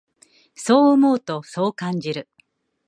そう思うと、そう感じる。